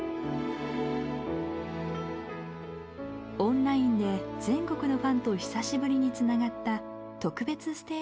オンラインで全国のファンと久しぶりにつながった特別ステージで披露します。